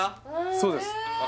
そうです